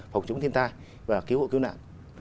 phòng chống thiên tai và cứu hộ cứu nạn